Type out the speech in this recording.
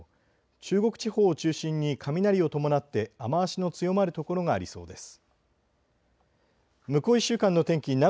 中国地方を中心に雷を伴って雨足の強まる所がありそうです。